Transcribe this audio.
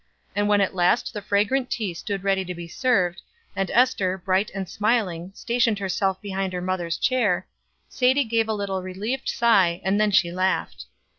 And when at last the fragrant tea stood ready to be served, and Ester, bright and smiling, stationed herself behind her mother's chair, Sadie gave a little relieved sigh, and then she laughed.